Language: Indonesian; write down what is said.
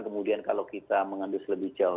kemudian kalau kita mengendus lebih jauh